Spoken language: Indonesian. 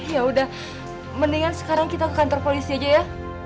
ya udah mendingan sekarang kita ke kantor polisi aja ya